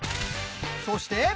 そして！